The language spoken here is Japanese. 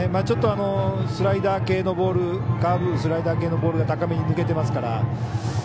ちょっと、スライダー系のボールカーブ、スライダー系のボールが高めに抜けてますから。